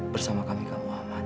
bersama kami ke muhammad